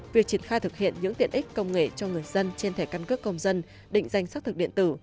việc triển khai thực hiện những tiện ích công nghệ cho người dân trên thẻ căn cước công dân định danh xác thực điện tử